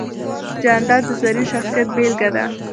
جانداد د زرین شخصیت بېلګه ده.